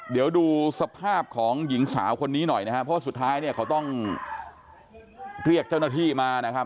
เดี๋ยวดูสภาพของหญิงสาวคนนี้หน่อยนะครับเพราะว่าสุดท้ายเนี่ยเขาต้องเรียกเจ้าหน้าที่มานะครับ